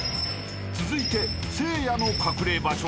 ［続いてせいやの隠れ場所は？］